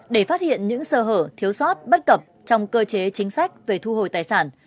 để phát hiện những sơ hở thiếu sót bất cập trong cơ chế chính sách về thu hồi tài sản